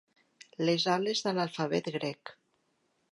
Les ales de l'alfabet grec.